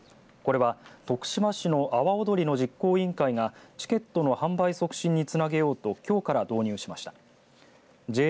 これは徳島市の阿波おどりの実行委員会がチケットの販売促進につなげようときょうから導入しました。